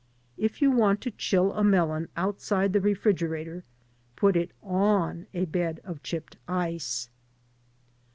If you want to chill a melon outside the refrigerator, put it on a bed of chipped ice.